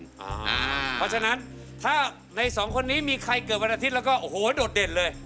เพราะฉะนั้นถ้าในสองคนนี้มีใครเกิดวันอาทิตย์แล้วก็โอ้โหโดดเด่นเลย